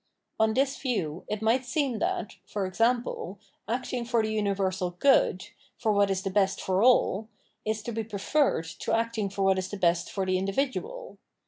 On this view, it might seem that, e.g., acting for the universal good, for what is the best for all, is to he preferred to acting for what is the best for the individual.